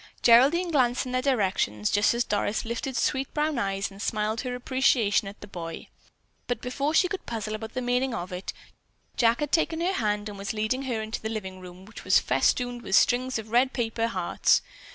Geraldine glanced in their direction just as Doris lifted sweet, brown eyes and smiled her appreciation at the boy. But before she could puzzle about the meaning of it, Jack had taken her hand and was leading her into the living room, which was festooned with strings of red paper hearts.